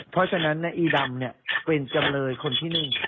เพราะฉะนั้นเนี่ยอีดำเนี่ยเป็นจำเลยคนที่หนึ่ง